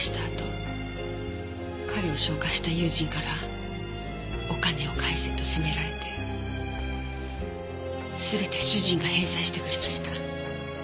あと彼を紹介した友人からお金を返せと責められて全て主人が返済してくれました。